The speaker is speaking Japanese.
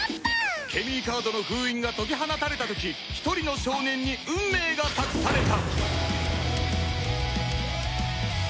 ケミーカードの封印が解き放たれた時一人の少年に運命が託された